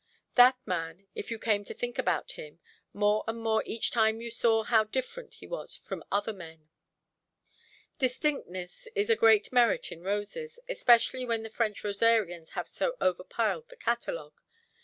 That man, if you came to think about him, more and more each time you saw how different he was from other men. Distinctness is a great merit in roses, especially when the French rosarians have so overpiled the catalogue.